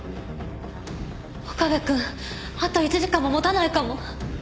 岡部くんあと１時間ももたないかも。